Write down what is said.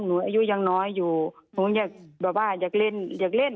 หนูอายุยังน้อยอยู่หนูอยากแบบว่าอยากเล่นอยากเล่น